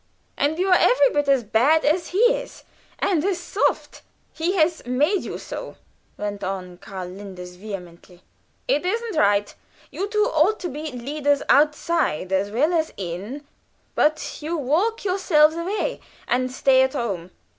"And you are every bit as bad as he is, and as soft he has made you so," went on Linders, vehemently. "It isn't right. You two ought to be leaders outside as well as in, but you walk yourselves away, and stay at home!